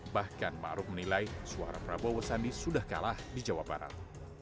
bahkan ma'ruf menilai suara prabowo wesani sudah kalah di jawa barat